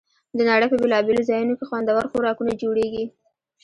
د نړۍ په بېلابېلو ځایونو کې خوندور خوراکونه جوړېږي.